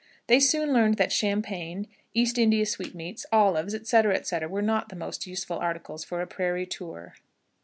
They soon learned that Champagne, East India sweetmeats, olives, etc., etc., were not the most useful articles for a prairie tour.